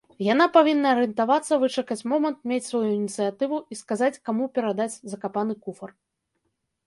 Яна павінна арыентавацца, вычакаць момант, мець сваю ініцыятыву і сказаць, каму перадаць закапаны куфар.